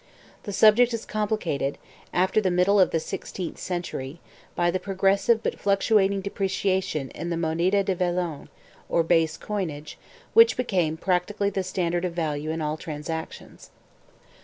The subject is complicated, after the middle of the sixteenth century, by the progressive but fluctuating depreciation in the moneda de vellon, or base coinage, which became practically the standard of value in all transactions.